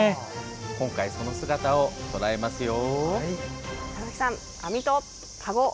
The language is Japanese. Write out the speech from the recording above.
今回は、その姿をとらえますよ。